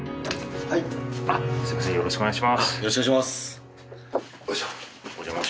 よろしくお願いします。